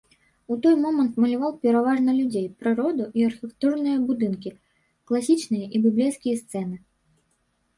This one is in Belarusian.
У той момант маляваў пераважна людзей, прыроду і архітэктурныя будынкі, класічныя і біблейскія сцэны.